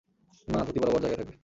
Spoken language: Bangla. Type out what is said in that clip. মা, ধুতি বরাবর জায়গায় থাকবে।